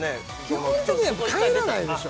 基本的には帰らないでしょ